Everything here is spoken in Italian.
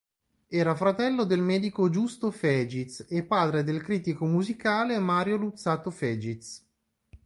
Era fratello del medico Giusto Fegiz e padre del critico musicale Mario Luzzatto Fegiz.